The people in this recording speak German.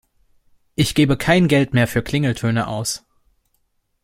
Ich gebe kein Geld mehr für Klingeltöne aus.